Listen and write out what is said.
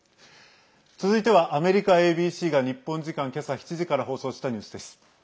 続いては、アメリカＡＢＣが日本時間けさ７時から放送したニュースです。